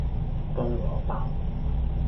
菠蘿包